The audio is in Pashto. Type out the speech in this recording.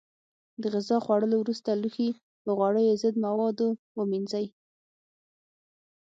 د غذا خوړلو وروسته لوښي په غوړیو ضد موادو پرېمنځئ.